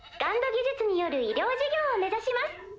技術による医療事業を目指します。